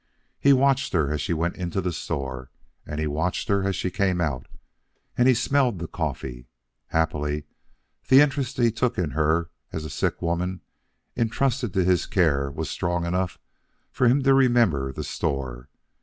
He watched her as she went into the store and he watched her as she came out; and he smelled the coffee. Happily, the interest he took in her as a sick woman intrusted to his care was strong enough for him to remember the store.